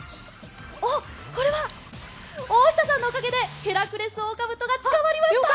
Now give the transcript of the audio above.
これは大下さんのおかげでヘラクレスオオカブトが捕まりました！